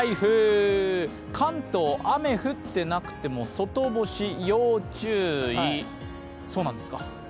関東、雨降ってなくても外干し要注意、そうなんですか。